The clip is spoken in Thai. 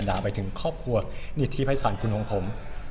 จะด่าไปถึงครอบครัวนิทธิภัยศาสตร์กุฏมของผม